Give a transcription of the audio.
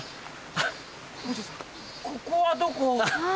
ここはどこ？